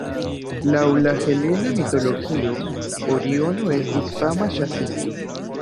Laŭ la helena mitologio Oriono estis fama ĉasisto.